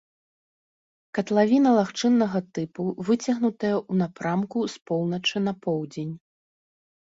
Катлавіна лагчыннага тыпу, выцягнутая ў напрамку з поўначы на поўдзень.